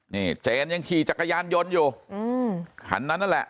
นี่เจนยังขี่จักรยานยนต์อยู่อืมคันนั้นนั่นแหละ